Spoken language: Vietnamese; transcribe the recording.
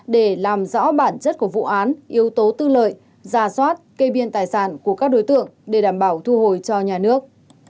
để làm rõ bản chất của vụ án yếu tố tư lợi ra soát kê biên tài sản của các đối tượng để đảm bảo thu hồi cho nhà nước